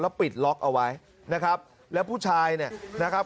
ปิดล็อกเอาไว้นะครับแล้วผู้ชายเนี่ยนะครับ